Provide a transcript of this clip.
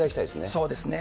そうですね。